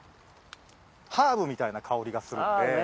ーブみたいな香りがするんで。